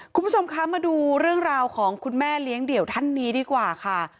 คุณผู้ชมคะมาดูเรื่องราวของคุณแม่เลี้ยงเดี่ยวท่านนี้ดีกว่าค่ะ